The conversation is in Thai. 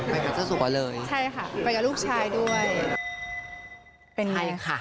ไปกับเจ้าสุขวะเลยไปกับลูกชายด้วยเป็นไงค่ะ